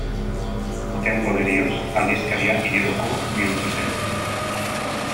Urteen poderioz, aldizkaria hileroko bihurtu zen.